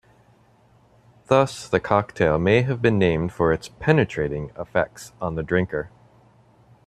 Thus, the cocktail may have been named for its "penetrating" effects on the drinker.